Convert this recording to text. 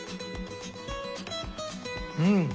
うん！